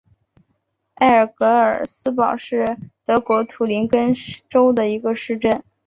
埃尔格尔斯堡是德国图林根州的一个市镇。